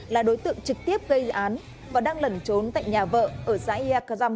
là đối tượng trực tiếp gây án và đang lẩn trốn tại nhà vợ ở xã ia cà dăm